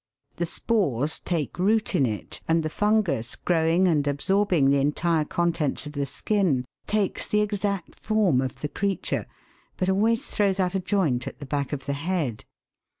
The spores take root in it and the fungus grow ing and absorbing the entire contents of the skin, takes the exact form of the creature, but always throws out a joint at the back of the head.